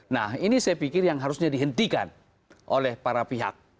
nah ini saya pikir yang harusnya dihentikan oleh para pihak